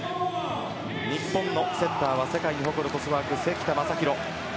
日本のセッターは世界に誇るトスワーク関田誠大。